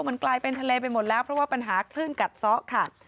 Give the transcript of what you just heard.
มันกลายเป็นทะเลไปหมดแล้วเพราะว่าปัญหาคลื่นกัดซ้อค่ะ